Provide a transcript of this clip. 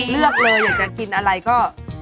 เลือกเลยอยากจะกินอะไรก็